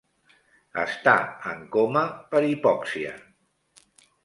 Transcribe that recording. Està en coma per hipòxia.